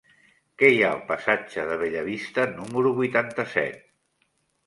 Què hi ha al passatge de Bellavista número vuitanta-set?